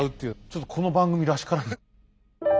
ちょっとこの番組らしからぬ。